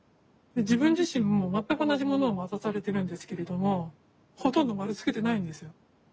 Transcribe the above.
自分自身も全く同じものを渡されてるんですけれどもほとんど丸つけてないんですよ。